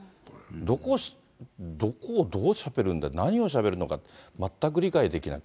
どこ、どこをどうしゃべるんだ、何をしゃべるのか、全く理解できない。